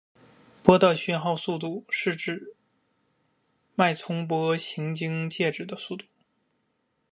波的讯号速度是指一脉冲波行经介质的速度。